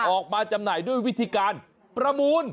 จำหน่ายด้วยวิธีการประมูล